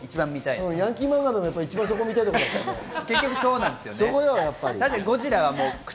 ヤンキー漫画でも一番そこを見たいもんね。